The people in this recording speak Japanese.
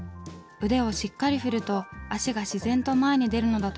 腕をしっかり振ると足が自然と前に出るのだとか。